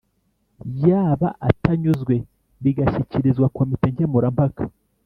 yaba atanyuzwe bigashyikirizwa komite Nkemurampaka.